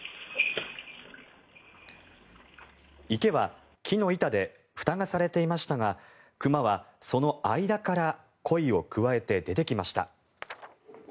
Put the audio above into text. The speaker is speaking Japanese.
池は木の板でふたがされていましたが熊はその間からコイをくわえて出てきました。